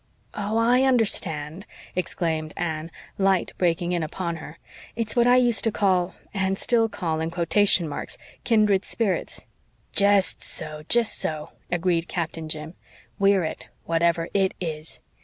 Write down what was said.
"Oh, I understand," exclaimed Anne, light breaking in upon her. "It's what I used to call and still call in quotation marks 'kindred spirits.'" "Jest so jest so," agreed Captain Jim. "We're it, whatever IT is.